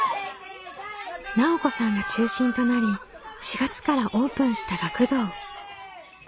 奈緒子さんが中心となり４月からオープンした学童。